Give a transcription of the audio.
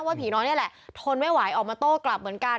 ผีน้อยนี่แหละทนไม่ไหวออกมาโต้กลับเหมือนกัน